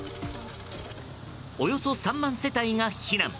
およそ３万世帯が避難。